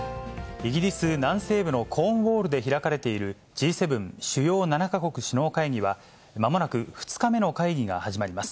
イギリス南西部のコーンウォールで開かれている、Ｇ７・主要７か国首脳会議は、まもなく２日目の会議が始まります。